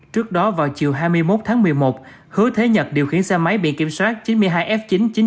trước đó vào chiều hai mươi một tháng một mươi một hứa thế nhật điều khiển xe máy bị kiểm soát chín mươi hai f chín nghìn chín trăm hai mươi bốn